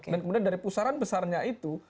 dan kemudian dari pusaran besarnya itu